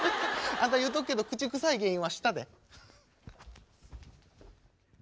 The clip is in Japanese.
あんた言うとくけど口臭い原因は舌で。